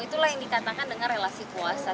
itulah yang dikatakan dengan relasi kuasa